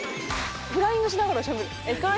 フライングしながらしゃべる。